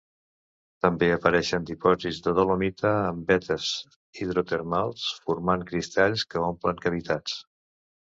També apareixen dipòsits de dolomita en vetes hidrotermals, formant cristalls que omplen cavitats.